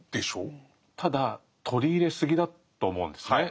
ただ取り入れすぎだと思うんですね。